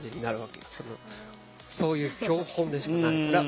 そういう標本でしかないから。